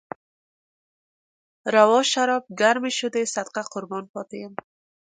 روا شراب، ګرمې شيدې، صدقه قربان پاتې يم